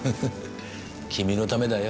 君のためだよ。